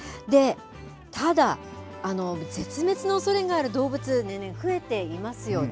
ただ、絶滅のおそれがある動物年々増えていますよね。